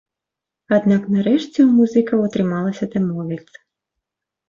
Аднак нарэшце ў музыкаў атрымалася дамовіцца.